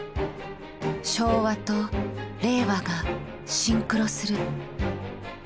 昭和と令和がシンクロする。